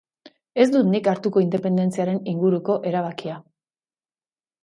Ez dut nik hartuko independentziaren inguruko erabakia.